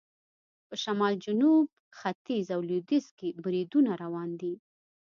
په شمال، جنوب، ختیځ او لویدیځ کې بریدونه روان دي.